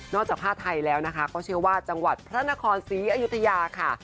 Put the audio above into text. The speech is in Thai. จากผ้าไทยแล้วนะคะก็เชื่อว่าจังหวัดพระนครศรีอยุธยาค่ะ